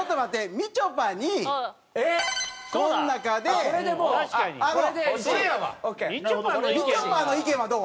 みちょぱの意見はどう？